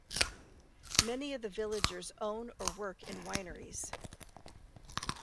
Many of the villagers own or work in wineries.